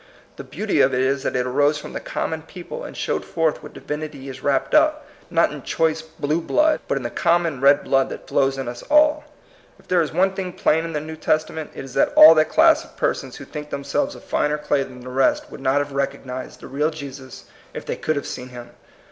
The beauty of it is that it arose from the common peo ple, and showed forth what divinity is wrapped up, not in choice "blue blood," but in the common red blood that flows in us all. If there is one thing plain in the New Testament, it is that all that class of persons who think themselves of finer THE IDEAL DEMOCRACY. 148 clay than the rest would not have recog nized the real Jesus if they could have seen him.